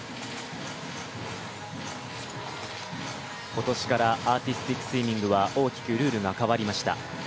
今年からアーティスティックスイミングは大きくルールが変わりました。